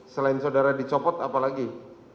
selain saudara dicopot apa lain